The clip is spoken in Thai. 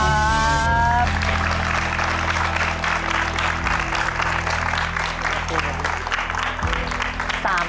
ขอบคุณครับ